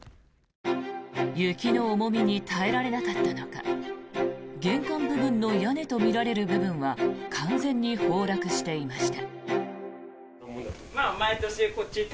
雪の重みに耐えられなかったのか玄関部分の屋根とみられる部分は完全に崩落していました。